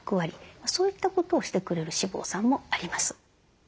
そういったことをしてくれる脂肪酸もあります。